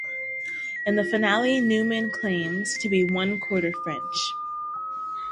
In the finale Newman claims to be one-quarter French.